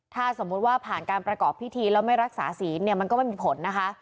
ถ้าสมมุติว่าผ่านการประกอบพิธีแล้วไม่รักษาศีลเนี่ยมันก็ไม่มีผลนะคะ